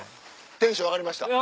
テンション上がりました